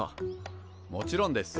もちろんです。